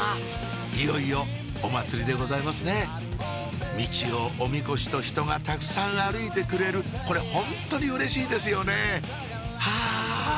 いよいよお祭りでございますねミチをおみこしと人がたくさん歩いてくれるこれホントにうれしいですよねハァ！